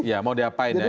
iya mau diapain ya